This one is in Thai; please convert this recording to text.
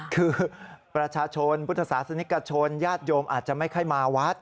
คือประชาชนพุทธศาสนิกชนญาติโยมอาจจะไม่ค่อยมาวัด